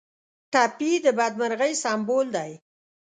ټپي د بدمرغۍ سمبول دی.